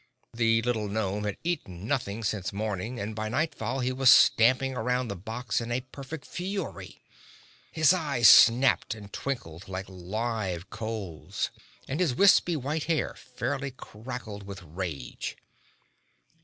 The little gnome had eaten nothing since morning and by nightfall he was stamping around the box in a perfect fury. His eyes snapped and twinkled like live coals and his wispy white hair fairly crackled with rage.